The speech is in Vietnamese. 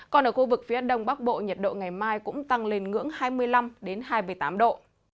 còn ở khu vực phía đông bắc bộ nhiệt độ ngày mai cũng tăng lên ngưỡng hai mươi năm hai mươi tám độ